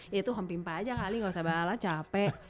ya itu home pimpa aja kali gak usah balap capek